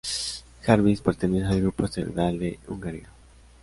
Jarvis pertenece al grupo asteroidal de Hungaria.